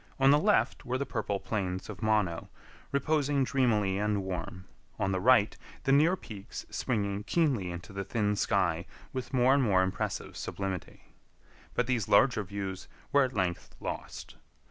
On the left were the purple plains of Mono, reposing dreamily and warm; on the right, the near peaks springing keenly into the thin sky with more and more impressive sublimity. But these larger views were at length lost.